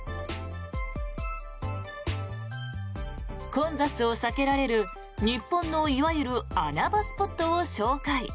混雑を避けられる日本のいわゆる穴場スポットを紹介。